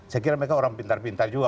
saya kira mereka orang pintar pintar juga